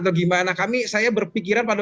atau gimana kami saya berpikiran pada